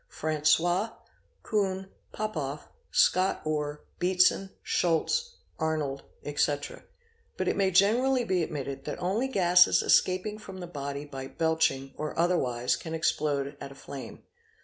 Francois, Kuhn, Popoff, Scott Orr, Beatson Schulze, Arnold, etc.,"*" but it may generally be admitted that only gases escaping from the body by belching or otherwise can explode at a flame.